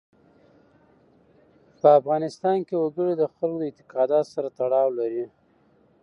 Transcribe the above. په افغانستان کې وګړي د خلکو د اعتقاداتو سره تړاو لري.